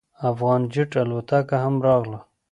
افغان جیټ الوتکه هم راغله.